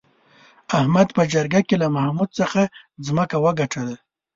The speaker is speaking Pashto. احمد په جرگه کې له محمود څخه ځمکه وگټله